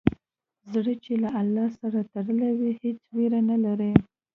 زړه چې له الله سره تړلی وي، هېڅ ویره نه لري.